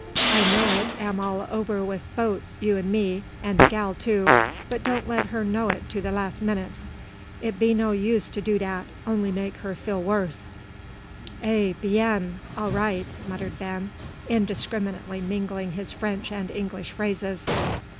I know it am all ober wi' boaf you an' me, and de gal, too but doan let her know it to de lass minute. It be no use to do dat, only make her feel wuss." "Eh bien! all right!" muttered Ben, indiscriminately mingling his French and English phrases.